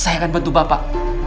saya akan bantu bapak